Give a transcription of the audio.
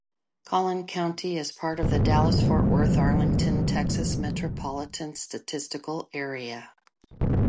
Collin County is part of the Dallas-Fort Worth-Arlington, Texas Metropolitan Statistical Area.